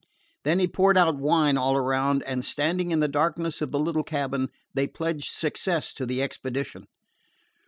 Then he poured out wine all around, and, standing in the darkness of the little cabin, they pledged success to the expedition.